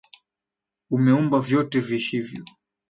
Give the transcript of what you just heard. Umeumba vyote viishivyo.